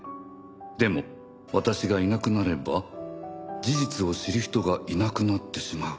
「でも私がいなくなれば事実を知る人がいなくなってしまう」